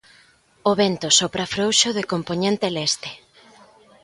O vento sopra frouxo de compoñente leste.